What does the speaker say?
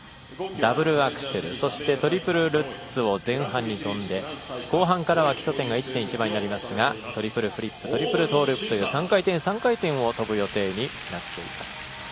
ダブルアクセルそしてトリプルルッツを前半に跳んで、後半からは基礎点が１．１倍になりますがトリプルフリップトリプルトーループ３回転、３回転を跳ぶ予定になっています。